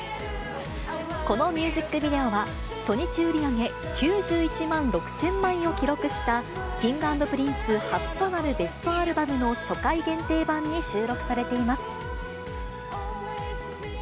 このミュージックビデオは、初日売り上げ９１万６０００枚を記録したＫｉｎｇ＆Ｐｒｉｎｃｅ初となるベストアルバムの初回限定盤に収録されています。